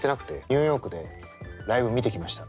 ニューヨークでライブ見てきました。